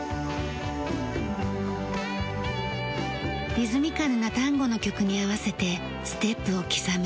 リズミカルなタンゴの曲に合わせてステップを刻む。